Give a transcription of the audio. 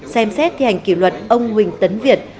xem xét thi hành kỷ luật ông huỳnh tấn việt